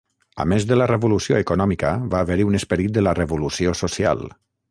A més de la revolució econòmica, va haver-hi un esperit de la revolució social.